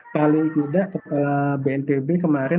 paling tidak kepala bnpb kemarin